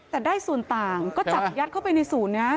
แต่ได้ส่วนต่างก็จับยัดเข้าไปในศูนย์นี้